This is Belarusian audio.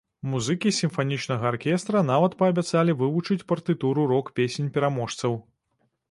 Музыкі сімфанічнага аркестра нават паабяцалі вывучыць партытуру рок-песень пераможцаў.